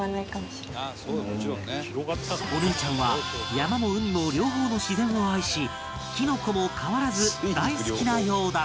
お姉ちゃんは山も海も両方の自然を愛しきのこも変わらず大好きなようだった